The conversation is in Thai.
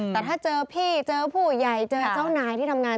แต่ถ้าเจอพี่เจอผู้ใหญ่เจอเจ้านายที่ทำงาน